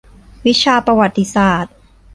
วิชาประวัติศาสตร์